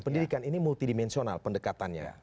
pendidikan ini multidimensional pendekatannya